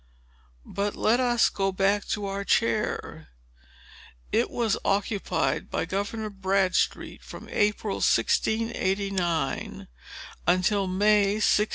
But let us go back to our chair. It was occupied by Governor Bradstreet from April, 1689, until May, 1692.